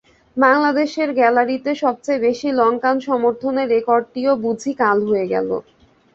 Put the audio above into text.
বাংলাদেশের গ্যালারিতে সবচেয়ে বেশি লঙ্কান সমর্থনের রেকর্ডটিও বুঝি কাল হয়ে গেল।